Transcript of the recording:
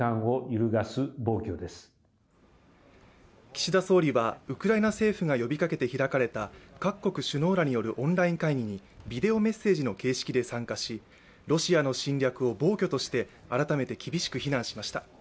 岸田総理はウクライナ政府が呼びかけて開かれた各国首脳らによるオンライン会議にビデオメッセージの形式で参加し、ロシアの侵略を暴挙として改めて厳しく非難しました。